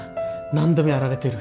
何度もやられてる。